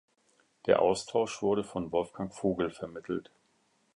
Der Austausch wurde von Wolfgang Vogel vermittelt.